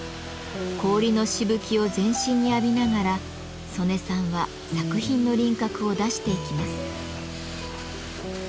氷のしぶきを全身に浴びながら曽根さんは作品の輪郭を出していきます。